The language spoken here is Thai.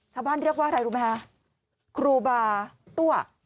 ชาวบ้านเรียกว่าอะไรรู้ไหมคะครูบาตั้ว